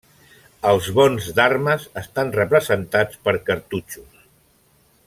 Els bons d'armes estan representats per cartutxos.